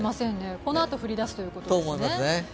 このあと降り出すということですね。